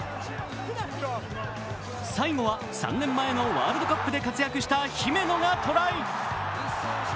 最後は３年前のワールドカップで活躍した姫野がトライ。